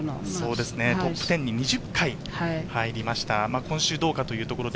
トップ１０に２０回入りました。